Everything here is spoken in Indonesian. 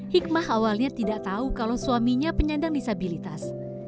hikmah awalnya tidak tahu kalau suaminya penyandang disabilitas